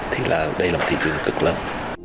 thì đây là một thị trường rất lớn